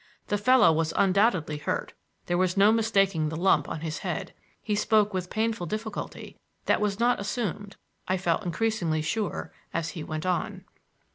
The fellow was undoubtedly hurt,—there was no mistaking the lump on his head. He spoke with a painful difficulty that was not assumed, I felt increasingly sure, as he went on.